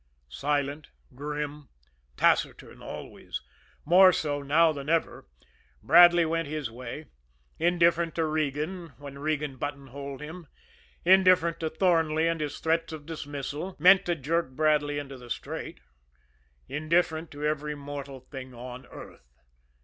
Silent, grim, taciturn always, more so now than ever, Bradley went his way; indifferent to Regan when Regan buttonholed him; indifferent to Thornley and his threats of dismissal, meant to jerk Bradley into the straight; indifferent to every mortal thing on earth.